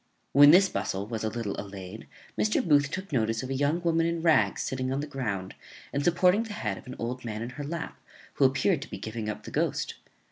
When this bustle was a little allayed, Mr. Booth took notice of a young woman in rags sitting on the ground, and supporting the head of an old man in her lap, who appeared to be giving up the ghost.